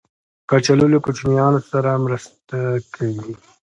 کچالو له کوچنیانو سره مرسته کوي